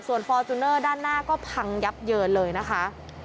ส่วนฟอร์จูเนอร์ด้านหน้าก็พังยับเยินเลยนะคะ